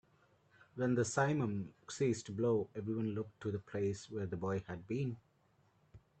When the simum ceased to blow, everyone looked to the place where the boy had been.